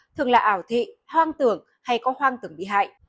thường là ảo thị hoang tưởng hay có hoang tưởng bị hại